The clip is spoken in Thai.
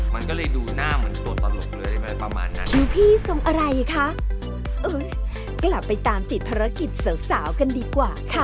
มันก็เลยดูหน้าเหมือนตัวตลกเลยอะไรประมาณนั้น